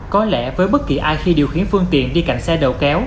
có lẽ với bất kỳ ai khi điều khiển phương tiện đi cạnh xe đầu kéo